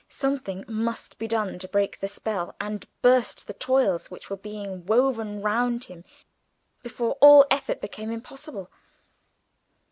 Something must be done to break the spell and burst the toils which were being woven round him before all effort became impossible.